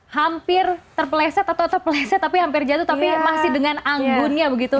hampir terpleset atau terpleset tapi hampir jatuh tapi masih dengan anggunnya begitu